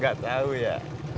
gak tahu ya